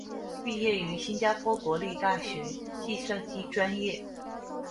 毕业于新加坡国立大学计算机专业。